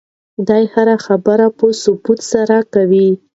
دی هره خبره په ثبوت سره کوي.